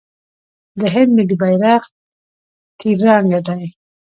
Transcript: د هند ملي بیرغ تیرانګه دی.